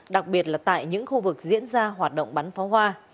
đặc biệt là tại những khu vực diễn ra hoạt động bắn pháo hoa